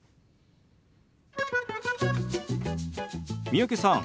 三宅さん